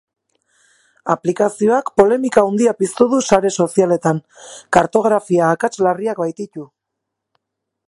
Aplikazioak polemika handia piztu du sare sozialetan, kartografia akats larriak baititu.